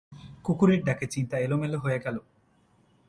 কুকুরের ডাকে চিন্তা এলোমেলো হয়ে গেল।